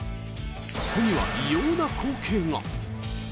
そこには異様な光景が。